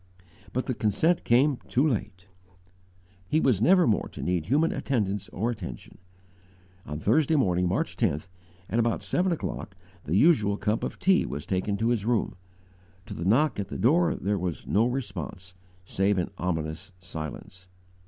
_ But the consent came too late. He was never more to need human attendance or attention. On Thursday morning, March 10th, at about seven o'clock, the usual cup of tea was taken to his room. To the knock at the door there was no response save an ominous silence.